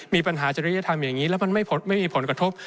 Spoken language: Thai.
จริยธรรมอย่างนี้แล้วมันไม่มีผลกระทบ